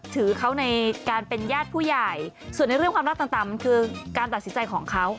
เราก็ยินดีให้เขามีแบบใหม่